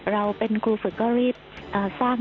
เราเป็นครูฝึกก็รีบสร้าง